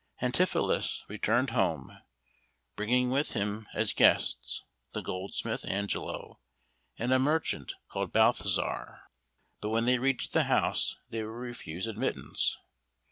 Antipholus returned home, bringing with him as guests the goldsmith Angelo and a merchant called Balthazar, but when they reached the house they were refused admittance.